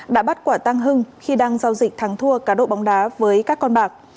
đã bắt quả tăng hưng khi đang giao dịch thắng thua cá độ bóng đá với các con bạc